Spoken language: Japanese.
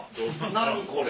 何これ！